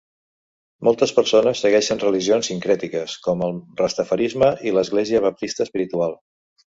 Moltes persones segueixen religions sincrètiques com el rastafarisme i l'església baptista espiritual.